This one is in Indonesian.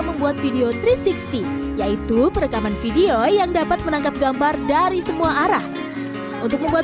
membuat video tiga ratus enam puluh yaitu perekaman video yang dapat menangkap gambar dari semua arah untuk membuat